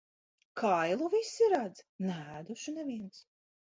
Kailu visi redz, neēdušu neviens.